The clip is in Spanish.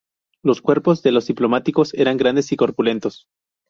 Los cuerpos de los diplodócidos eran grandes y corpulentos.